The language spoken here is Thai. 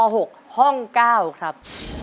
ห้อง๙ครับ